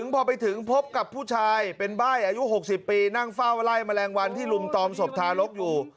พอไปถึงพบกับผู้ชายเป็นใบ้อายุ๖๐ปีนั่งเฝ้าไล่แมลงวันที่ลุมตอมศพทารกอยู่